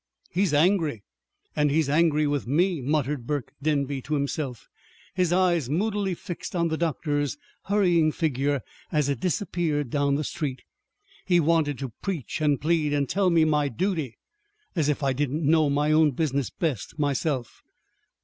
"He's angry, and he's angry with me," muttered Burke Denby to himself, his eyes moodily fixed on the doctor's hurrying figure as it disappeared down the street. "He wanted to preach and plead, and tell me my 'duty.' As if I didn't know my own business best myself!